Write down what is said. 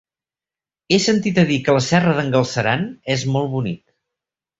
He sentit a dir que la Serra d'en Galceran és molt bonic.